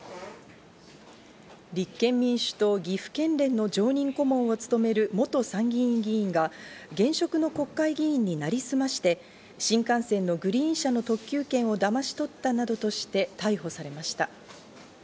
立憲民主党岐阜県連の常任顧問を務める元参議院議員が現職の国会議員になりすまして新幹線のグリーン車の特急券をだまし取ったなどとして逮捕されました。